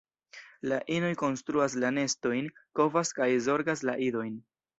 La inoj konstruas la nestojn, kovas kaj zorgas la idojn.